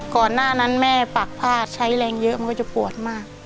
ก่อนหน้านั้นแม่ปากผ้าใช้แรงเยอะมันก็จะปวดมาก